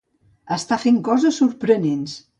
Està fent coses sorprenents.